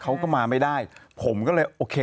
เขาก็มาไม่ได้ผมก็เลยโอเค